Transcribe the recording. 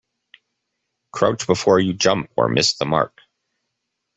Crouch before you jump or miss the mark.